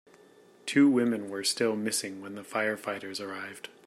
Two women were still missing when the firefighters arrived.